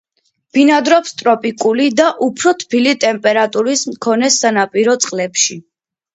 ბინადრობს ტროპიკული და უფრო თბილი ტემპერატურის მქონე სანაპირო წყლებში.